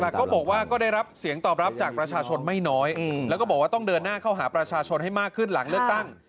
แต่ก็บอกว่าก็ได้รับเสียงตอบรับจากประชาชนไม่น้อยแล้วก็บอกว่าต้องเดินหน้าเข้าหาประชาชนให้มากขึ้นหลังเลือกตั้ง